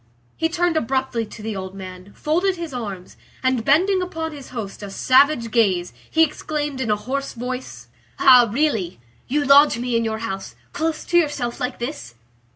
He turned abruptly to the old man, folded his arms, and bending upon his host a savage gaze, he exclaimed in a hoarse voice:— "Ah! really! You lodge me in your house, close to yourself like this?"